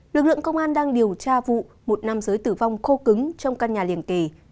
lực lượng công an đang điều tra vụ một nam giới tử vong khô cứng trong căn nhà liền kề